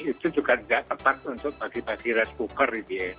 itu juga tidak tepat untuk bagi bagi rice cooker